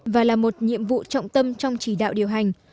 và là một nhiệm vụ trọng tâm trong chỉ đạo điều hành